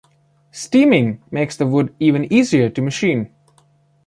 Steaming makes the wood even easier to machine.